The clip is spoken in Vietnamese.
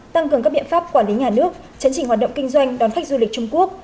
tăng cường các biện pháp quản lý nhà nước chấn chỉnh hoạt động kinh doanh đón khách du lịch trung quốc